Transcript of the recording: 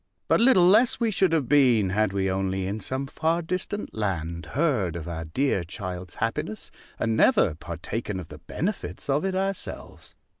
But little less we should have been, had we only in some far distant land heard of our dear child's happiness and never partaken of the benefits of it ourselves.